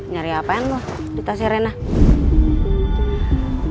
nyari apaan lu di tasnya rena